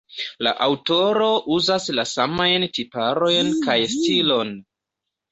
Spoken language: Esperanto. La aŭtoro uzas la samajn tiparojn kaj stilon.